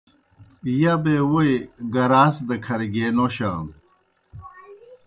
یبے ووئی گراس دہ کھر گیے نوشانوْ۔